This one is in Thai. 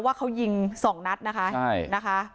ว่าเขายิงสองนัทนะคะใช่นะคะ